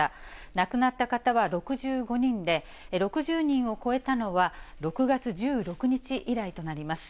亡くなった方は６５人で、６０人を超えたのは、６月１６日以来となります。